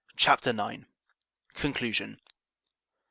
CHAPTER IX. Conclusion.